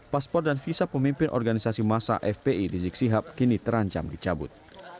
paspor dan visa pemimpin organisasi masa fpi rizik sihab kini terancam dicabut